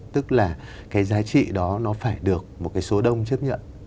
tức là cái giá trị đó nó phải được một cái số đông chấp nhận